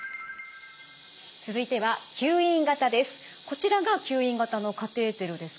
続いては吸引型です。